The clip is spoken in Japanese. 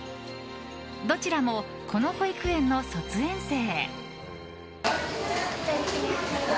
どちらも、この保育園の卒園生。